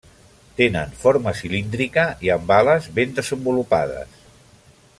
Tenen forma cilíndrica i amb ales ben desenvolupades.